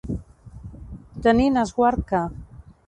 Tenint esguard que.